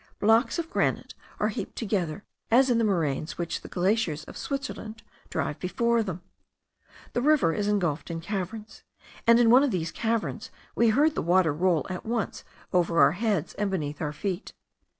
Blocks of granite are heaped together, as in the moraines which the glaciers of Switzerland drive before them. The river is ingulfed in caverns; and in one of these caverns we heard the water roll at once over our heads and beneath our feet.